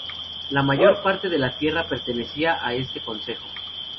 La mayor parte de la tierra pertenecía a este Concejo.